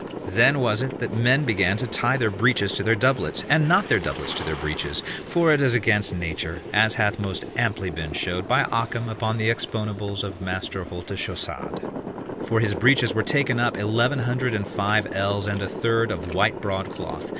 Then was it that men began to tie their breeches to their doublets, and not their doublets to their breeches: for it is against nature, as hath most amply been showed by Ockham upon the exponibles of Master Haultechaussade. For his breeches were taken up eleven hundred and five ells and a third of white broadcloth.